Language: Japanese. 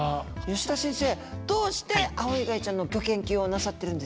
吉田先生どうしてアオイガイちゃんのギョ研究をなさってるんですか？